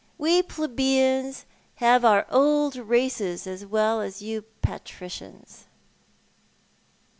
We plebeians have our old races as well as you patricians."